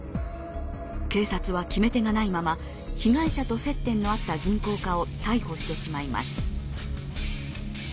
警察は決め手がないまま被害者と接点のあった銀行家を逮捕してしまいます。